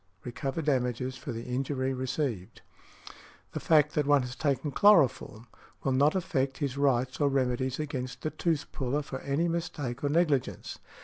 _, recover damages for the injury received . The fact that one has taken chloroform will not affect his rights or remedies against the tooth puller for any mistake or negligence.